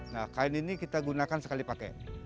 nah kain ini kita gunakan sekali pakai